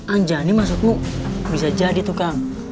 anjani maksudmu bisa jadi tukang